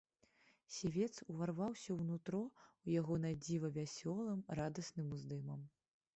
Сівец уварваўся ў нутро ў яго надзіва вясёлым, радасным уздымам.